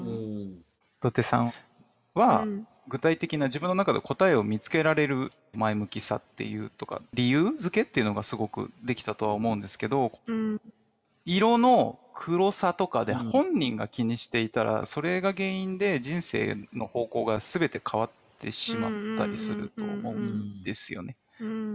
どてさんは具体的な自分の中で答えを見つけられる前向きさっていう理由付けっていうのがすごくできたとは思うんですけど色の黒さとかで本人が気にしていたらそれが原因で人生の方向がすべて変わってしまったりすると思うんですよね。